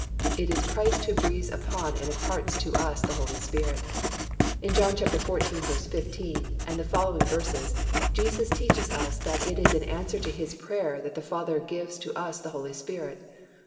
It is Christ who breathes upon us and imparts to us the Holy Spirit. In John xiv. 15 and the following verses Jesus teaches us that it is in answer to His prayer that the Father gives to us the Holy Spirit.